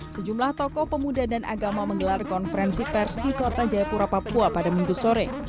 sejumlah tokoh pemuda dan agama menggelar konferensi pers di kota jayapura papua pada minggu sore